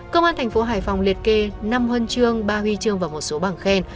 công an thành phố hải phòng liệt kê năm huân trương ba huy trương và một số bảng khen